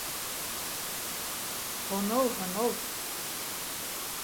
Һонол, һонол!